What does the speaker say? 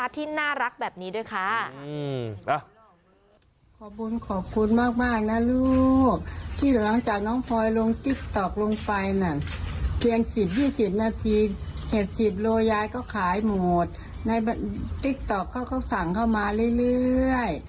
ติ๊กต็อปเขาก็สั่งเข้ามาเรื่อย